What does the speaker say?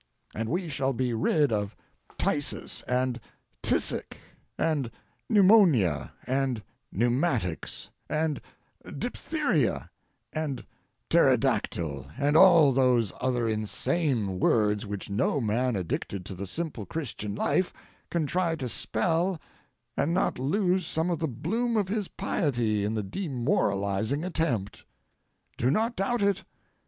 And we shall be rid of phthisis and phthisic and pneumonia and pneumatics, and diphtheria and pterodactyl, and all those other insane words which no man addicted to the simple Christian life can try to spell and not lose some of the bloom of his piety in the demoralizing attempt. Do not doubt it.